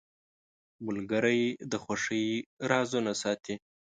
ملګری د خوښۍ رازونه ساتي.